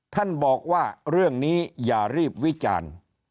ท่านบอกว่าเรื่องนี้อย่ารีบวิจารณ์